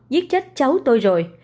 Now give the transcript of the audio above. giết chết cháu tôi rồi